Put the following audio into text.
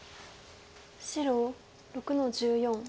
白６の十四。